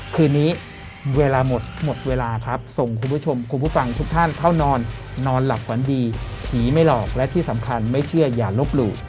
คืนนี้เวลาหมดหมดเวลาครับส่งคุณผู้ชมคุณผู้ฟังทุกท่านเข้านอนนอนหลับฝันดีผีไม่หลอกและที่สำคัญไม่เชื่ออย่าลบหลู่